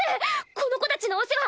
この子たちのお世話